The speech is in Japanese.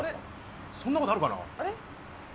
そんなことあるかな。